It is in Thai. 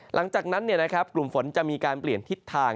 หลังจากนั้นกลุ่มฝนจะมีการเปลี่ยนทิศทาง